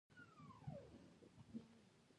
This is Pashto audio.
چار مغز د افغانستان د موسم د بدلون یو لوی سبب کېږي.